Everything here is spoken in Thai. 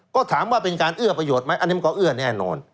ก็ถามว่าเป็นการเอื้อประโยชน์ไหมอันนี้มันก็เอื้อแน่นอน